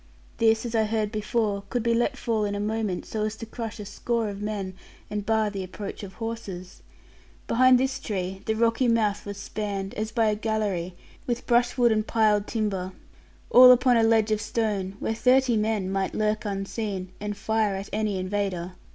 This, as I heard before, could be let fall in a moment, so as to crush a score of men, and bar the approach of horses. Behind this tree, the rocky mouth was spanned, as by a gallery with brushwood and piled timber, all upon a ledge of stone, where thirty men might lurk unseen, and fire at any invader.